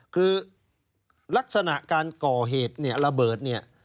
คือลักษณะการก่อเหตุระเบิด